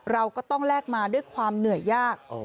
เราก็ต้องแลกมาด้วยความเหนื่อยยาก